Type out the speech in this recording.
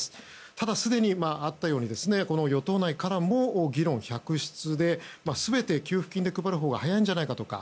ただ、すでにあったように与党内からも議論百出で全て給付金で配るほうが早いんじゃないかとか。